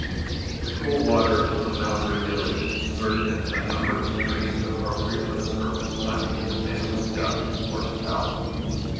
The cool water of some mountain rivulet is converted into a number of streams appropriate for the purpose, by means of bamboo ducts or spouts.